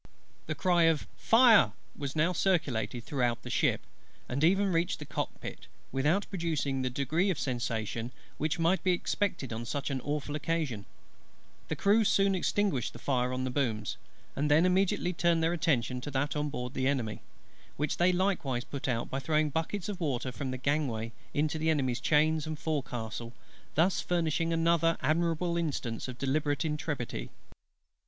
The cry of "Fire!" was now circulated throughout the ship, and even reached the cockpit, without producing the degree of sensation which might be expected on such an awful occasion: the crew soon extinguished the fire on the booms, and then immediately turned their attention to that on board the Enemy; which they likewise put out by throwing buckets of water from the gangway into the Enemy's chains and forecastle, thus furnishing another admirable instance of deliberate intrepidity.